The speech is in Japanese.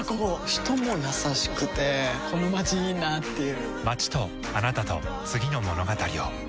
人も優しくてこのまちいいなぁっていう